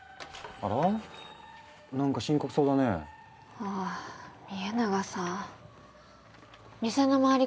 あぁ家長さん店の周り